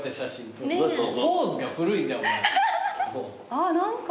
あっ何か。